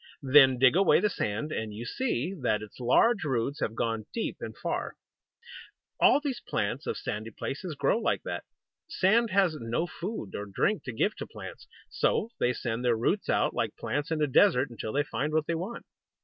Then dig away the sand, and you see that its large roots have gone deep and far. All these plants of sandy places grow like that. Sand has no food or drink to give to plants. So they send their roots out, like plants in a desert, until they find what they want.